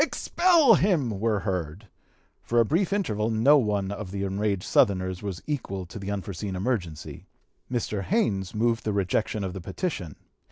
Expel him!" were heard. For a brief interval no one of the enraged Southerners was equal to the unforeseen emergency. Mr. Haynes moved the rejection of the petition.